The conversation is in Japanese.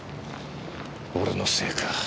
俺のせいか。